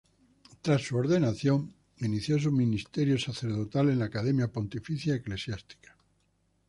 Tras su ordenación, inició su ministerio sacerdotal en la Academia Pontificia Eclesiástica.